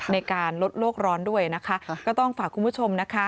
ในการลดโลกร้อนด้วยนะคะก็ต้องฝากคุณผู้ชมนะคะ